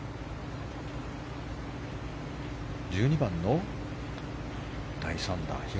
１２番の第３打、比嘉。